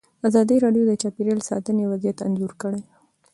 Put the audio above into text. ازادي راډیو د چاپیریال ساتنه وضعیت انځور کړی.